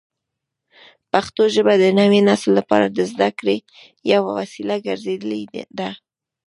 پښتو ژبه د نوي نسل لپاره د زده کړې یوه وسیله ګرځېدلې ده.